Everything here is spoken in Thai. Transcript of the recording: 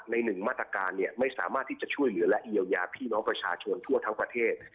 หนึ่งมาตรการไม่สามารถที่จะช่วยเหลือและเยียวยาพี่น้องประชาชนทั่วทั้งประเทศ